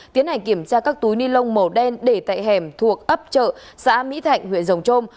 tiến hành kiểm tra các túi ni lông màu đen để tại hẻm thuộc ấp chợ xã mỹ thạnh huyện rồng trôm